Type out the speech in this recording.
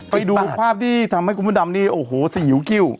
ไปดูภาพที่ทำให้หงุดดำนี่โอ้โหสิ่งหิวกิ้ว